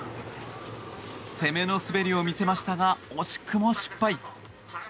攻めの滑りを見せましたが惜しくも失敗。